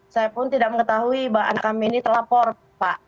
saya pun tidak mengetahui bahwa anak kami ini telapor pak